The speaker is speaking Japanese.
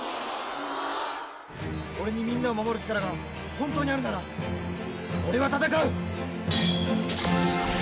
俺にみんなを守る力が本当にあるなら俺は戦う！